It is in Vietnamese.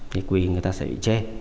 thì quỳ người ta sẽ bị chê